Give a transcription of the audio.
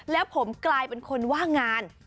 แล้วผมกลายเป็นคนว่างงาน